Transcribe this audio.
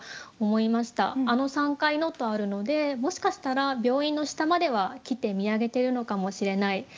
「あの三階の」とあるのでもしかしたら病院の下までは来て見上げているのかもしれない。